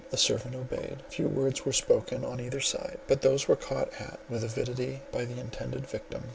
The servant obeyed; few words were spoken on either side; but those were caught at with avidity by the intended victim.